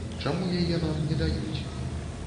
Чаму яе нам не даюць?